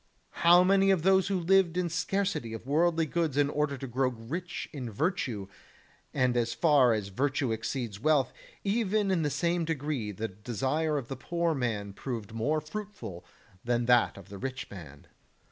How many were those who lived in scarcity of worldly goods in order to grow rich in virtue; and as far as virtue exceeds wealth, even in the same degree the desire of the poor man proved more fruitful than that of the rich man.